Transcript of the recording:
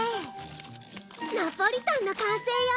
ナポリタンの完成よ。